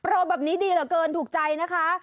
รอแบบนี้ดีเหลือเกินถูกใจนะคะ